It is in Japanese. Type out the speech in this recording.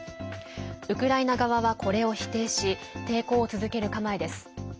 ウクライナ側は、これを否定し抵抗を続ける構えです。